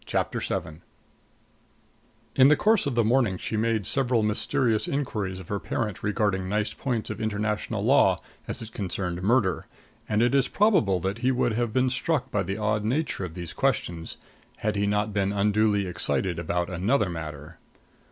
CHAPTER VII In the course of the morning she made several mysterious inquiries of her parent regarding nice points of international law as it concerned murder, and it is probable that he would have been struck by the odd nature of these questions had he not been unduly excited about another matter.